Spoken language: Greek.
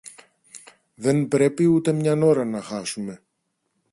Δεν πρέπει ούτε μιαν ώρα να χάσουμε